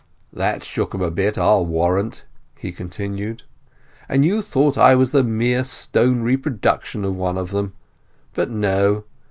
"That shook them a bit, I'll warrant!" he continued. "And you thought I was the mere stone reproduction of one of them. But no.